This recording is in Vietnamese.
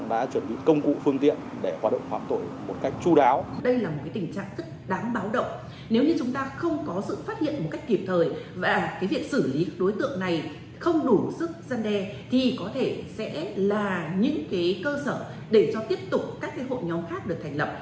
để cho tiếp tục các hội nhóm khác được thành lập